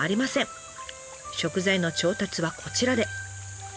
食材の調達はこちらで。